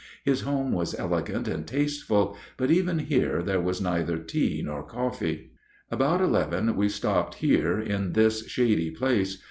His home was elegant and tasteful, but even here there was neither tea nor coffee. About eleven we stopped here in this shady place.